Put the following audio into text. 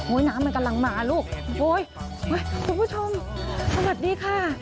น้ำมันกำลังมาลูกโอ้ยคุณผู้ชมสวัสดีค่ะ